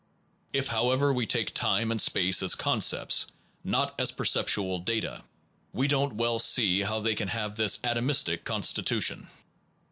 If, however, we take time and space as con cepts, not as perceptual data, we don t well see how they can have this atomistic constitu tion.